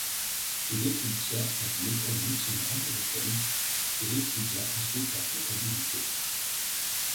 Il étudia dans une école missionnaire américaine, et étudia ensuite la comptabilité.